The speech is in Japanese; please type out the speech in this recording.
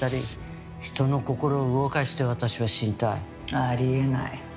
あり得ない。